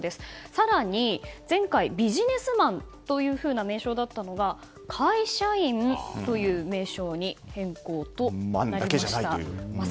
更に前回ビジネスマンというふうな名称だったのが会社員という名称にマンだけじゃないという。